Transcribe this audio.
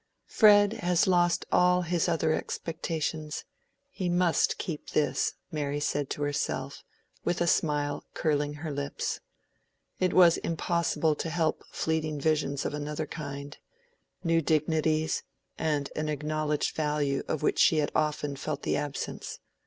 "Fred has lost all his other expectations; he must keep this," Mary said to herself, with a smile curling her lips. It was impossible to help fleeting visions of another kind—new dignities and an acknowledged value of which she had often felt the absence.